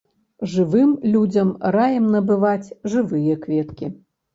Жывым людзям раім набываць жывыя кветкі.